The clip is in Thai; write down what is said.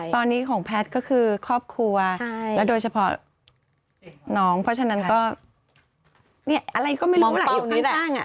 ตอนนี้ของแพทย์ก็คือครอบครัวและโดยเฉพาะน้องเพราะฉะนั้นก็เนี่ยอะไรก็ไม่รู้แหละอยู่ข้าง